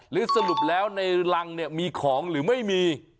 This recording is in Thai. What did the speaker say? สรุปแล้วในรังเนี่ยมีของหรือไม่มี